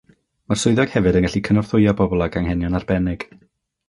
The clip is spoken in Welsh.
Mae'r swyddog hefyd yn gallu cynorthwyo pobl ag anghenion arbennig.